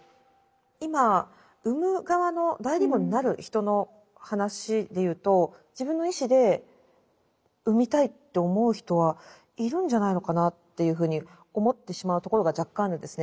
今産む側の代理母になる人の話で言うと自分の意志で産みたいって思う人はいるんじゃないのかなっていうふうに思ってしまうところが若干あるんですね。